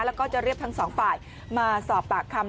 แล้วก็จะเรียกทั้งสองฝ่ายมาสอบปากคำ